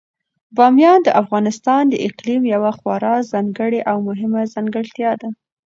بامیان د افغانستان د اقلیم یوه خورا ځانګړې او مهمه ځانګړتیا ده.